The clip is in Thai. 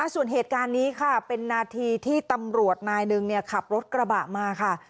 ส่วนเหตุการณ์นี้ค่ะเป็นนาทีที่ตำรวจนายหนึ่งขับรถกระบะมาค่ะ